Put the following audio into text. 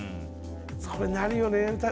そうなるよね。